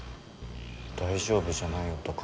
大丈夫じゃない音か。